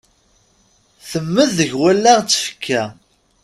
Temmed deg wallaɣ d tfekka.